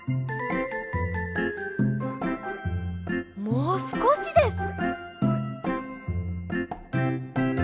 もうすこしです！